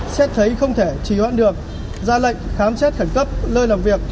xét thấy không thể trì hoãn được ra lệnh khám xét khẩn cấp nơi làm việc